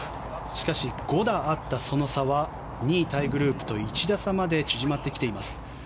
しかし、５打あったその差は２位タイグループと１打差まで縮まってきています。